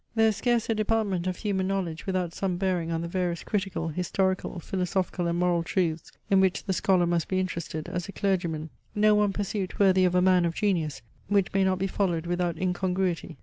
There is scarce a department of human knowledge without some bearing on the various critical, historical, philosophical and moral truths, in which the scholar must be interested as a clergyman; no one pursuit worthy of a man of genius, which may not be followed without incongruity.